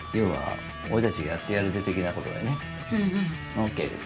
ＯＫです。